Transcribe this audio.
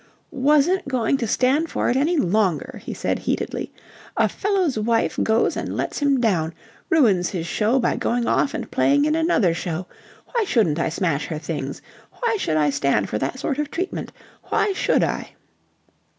"Wasn't going to stand for it any longer," he said heatedly. "A fellow's wife goes and lets him down... ruins his show by going off and playing in another show... why shouldn't I smash her things? Why should I stand for that sort of treatment? Why should I?"